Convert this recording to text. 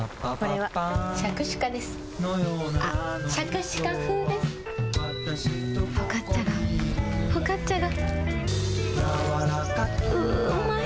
はい。